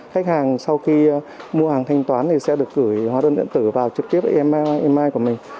cách hàng sau khi mua hàng thanh toán thì sẽ được gửi hóa đơn điện tử vào trực tiếp với meamath của mình